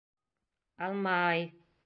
Алма-ай.